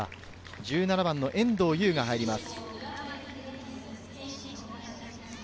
１７番・遠藤優が入ります。